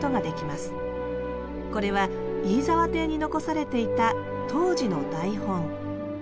これは飯沢邸に残されていた当時の台本。